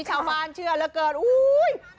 ชาวบ้านเชื่อเหลือเกินอุ้ย